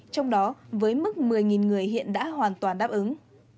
trong đó với mức một mươi người hiện đã hoàn toàn đáp ứng